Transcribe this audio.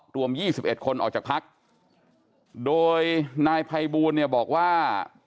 รวม๒๑คนออกจากภักดิ์โดยนายภัยบูรณ์บอกว่า